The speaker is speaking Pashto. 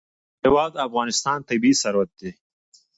مېوې د افغانستان طبعي ثروت دی.